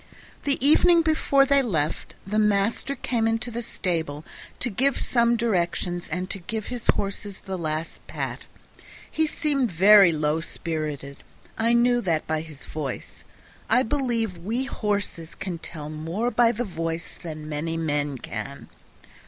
The evening before they left the master came into the stable to give some directions, and to give his horses the last pat. He seemed very low spirited; I knew that by his voice. I believe we horses can tell more by the voice than many men can.